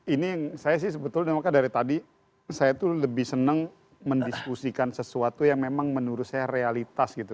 ini saya sih sebetulnya makanya dari tadi saya tuh lebih senang mendiskusikan sesuatu yang memang menurut saya realitas gitu